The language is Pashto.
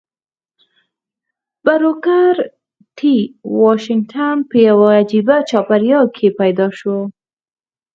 بروکر ټي واشنګټن په يوه عجيبه چاپېريال کې پيدا شو.